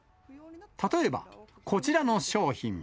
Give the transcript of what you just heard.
例えば、こちらの商品。